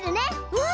うん！